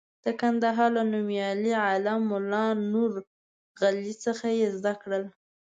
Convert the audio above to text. د کندهار له نومیالي عالم ملا نور غلجي څخه یې زده کړل.